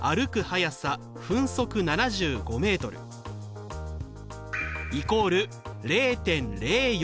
速さ分速７５ｍイコール０．０４分。